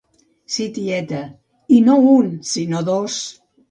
Sí, tieta, i no un, sinó dos.